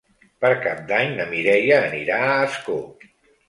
Per Cap d'Any na Mireia anirà a Ascó.